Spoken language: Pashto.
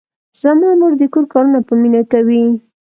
زما مور د کور کارونه په مینه کوي.